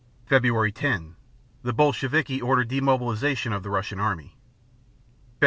Feb. 10 The Bolsheviki order demobilization of the Russian army. Feb.